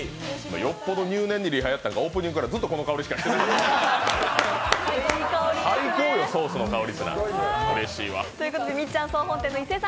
よっぽど入念にリハやったのかオープニングからずっとこの香りしかしない、最高よ、ソースの香り。